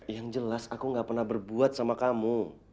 yang jelas aku gak pernah berbuat sama kamu